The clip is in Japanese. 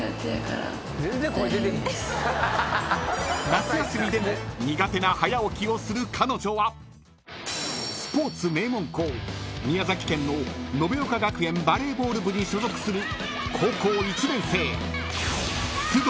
［夏休みでも苦手な早起きをする彼女はスポーツ名門校宮崎県の延岡学園バレーボール部に所属する］